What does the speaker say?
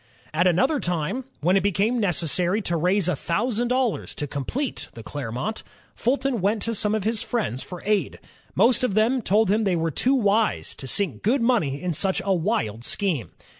At another time, when it became necessary to raise a thousand dollars to complete the Clermont, Fulton went to some of his friends for aid. Most of them told him they were too wise to sink good money in such a wild scheme.